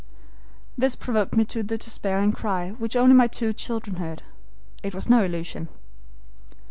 "This provoked me to the despairing cry, which only my two children heard. It was no illusion.